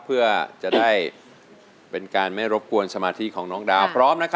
เพื่อจะได้เป็นการไม่รบกวนสมาธิของน้องดาวพร้อม